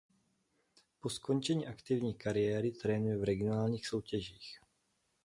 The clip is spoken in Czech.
Po skončení aktivní kariéry trénuje v regionálních soutěžích.